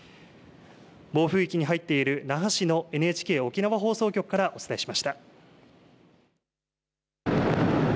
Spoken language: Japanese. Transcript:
暴風域に入っている那覇市のＮＨＫ沖縄放送局からお伝えしました。